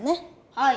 はい。